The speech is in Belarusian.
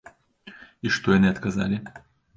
І што яны адказалі?